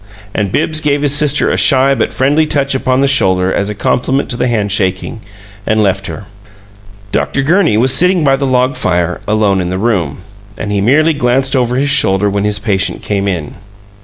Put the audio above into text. And Bibbs gave his sister a shy but friendly touch upon the shoulder as a complement to the handshaking, and left her. Dr. Gurney was sitting by the log fire, alone in the room, and he merely glanced over his shoulder when his patient came in.